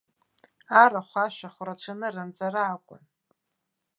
Арахә-ашәахә рацәаны ранҵара акәын.